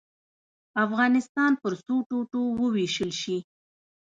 افغانستان پر څو ټوټو ووېشل شي.